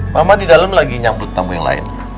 mama di dalam lagi nyambut tamu yang lain